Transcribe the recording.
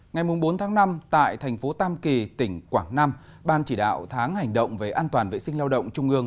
ngày bốn tháng năm tại thành phố tam kỳ tỉnh quảng nam ban chỉ đạo tháng hành động về an toàn vệ sinh lao động trung ương